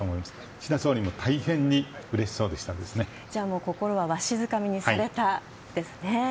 岸田総理も大変に心をわしづかみにされたんですね。